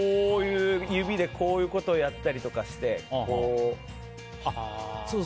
指でこういうことをやったりして。